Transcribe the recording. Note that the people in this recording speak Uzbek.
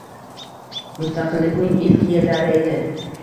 Mustaqillikning ilk yillari edi.